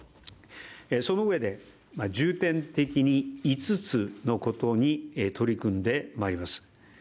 そのうえで重点的に５つのことに取り組んでまいります。